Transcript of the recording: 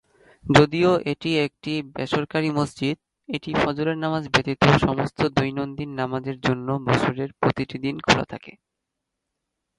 যদিও এটি একটি বেসরকারী মসজিদ, এটি ফজরের নামায ব্যতীত সমস্ত দৈনন্দিন নামাজের জন্য বছরের প্রতিটি দিন খোলা থাকে।